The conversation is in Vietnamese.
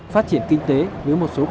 phát triển kinh tế với một số khu đô thị